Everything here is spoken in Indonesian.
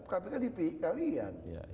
kpk di kalian